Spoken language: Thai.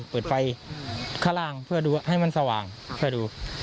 เปิดไฟข้างล่างเพื่อดูให้มันสว่างช่วยดู